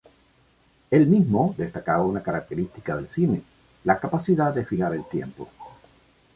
Él mismo destacaba una característica del cine: la capacidad de fijar el tiempo.